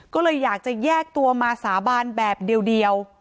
ก็เลยอยากจะแยกตัวมาสาบานแบบเดียว